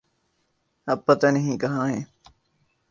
اب پتہ نہیں کہاں ہیں۔